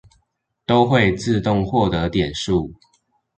都會自動獲得點數